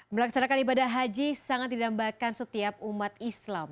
melaksanakan ibadah haji sangat didambakan setiap umat islam